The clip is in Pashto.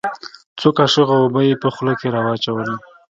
څو کاشوغه اوبه يې په خوله کښې راواچولې.